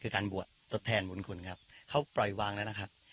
คือการบวชทดแทนบุญคุณครับเขาปล่อยวางแล้วนะครับ